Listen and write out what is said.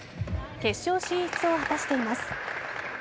決勝進出を果たしています。